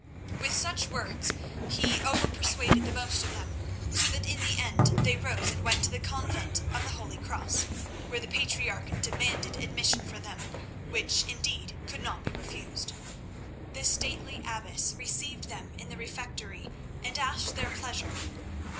With such words he over persuaded the most of them, so that in the end they rose and went to the convent of the Holy Cross, where the patriarch demanded admission for them, which, indeed, could not be refused. The stately abbess received them in the refectory, and asked their pleasure.